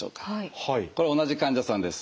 これは同じ患者さんです。